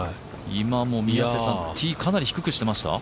今もティーかなり低くしてました？